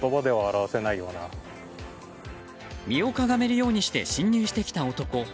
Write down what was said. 身を屈めるようにして侵入してきた男。